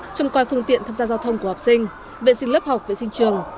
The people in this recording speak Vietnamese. trông coi phương tiện tham gia giao thông của học sinh vệ sinh lớp học vệ sinh trường